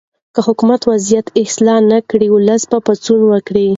که حکومت وضعیت اصلاح نه کړي، ولس به پاڅون وکړي.